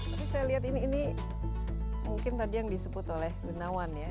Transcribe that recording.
tapi saya lihat ini mungkin tadi yang disebut oleh gunawan ya